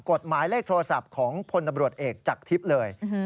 หมายเลขโทรศัพท์ของพลตำรวจเอกจากทิพย์เลย